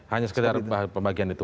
hanya sekedar pembagian itu